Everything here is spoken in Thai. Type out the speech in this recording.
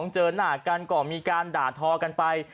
เจอหน้ากันก็มีการด่าทอกันไป